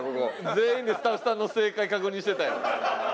全員でスタッフさんの正解確認してたよ。